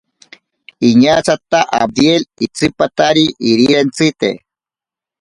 Iñatsata abdiel itsipatari irirentsite.